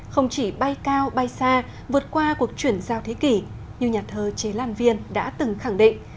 không chỉ bay cao bay xa vượt qua cuộc chuyển giao thế kỷ như nhà thơ chế lan viên đã từng khẳng định